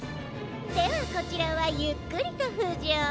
ではこちらはゆっくりとふじょう。